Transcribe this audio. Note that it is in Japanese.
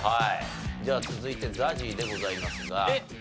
じゃあ続いてＺＡＺＹでございますが。